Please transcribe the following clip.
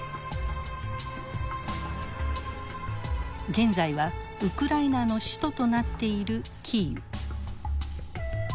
現在はウクライナの首都となっているキーウ。